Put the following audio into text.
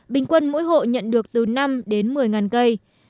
bình quân mỗi hộ nhận được từ năm đến một mươi cây